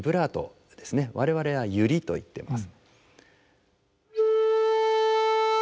我々はユリといってます。